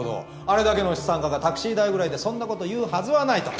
あれだけの資産家がタクシー代ぐらいでそんなこと言うはずはないと。